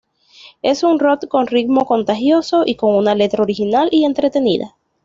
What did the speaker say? Es un rock con ritmo contagioso y con una letra original y entretenida.